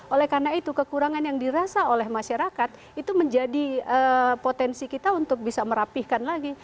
oleh karena itu kekurangan yang dirasa oleh masyarakat itu menjadi potensi kita untuk bisa merapihkan lagi